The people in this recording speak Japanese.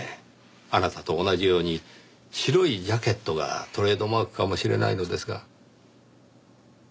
あなたと同じように白いジャケットがトレードマークかもしれないのですが。